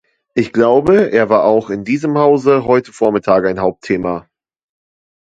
Ich glaube, er war auch in diesem Hause heute Vormittag ein Hauptthema.